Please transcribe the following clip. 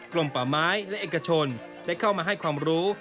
ลมป่าไม้และเอกชนได้เข้ามาให้ความรู้